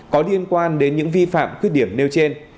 có liên quan đến những vi phạm khuyết điểm nêu trên